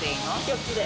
４つで。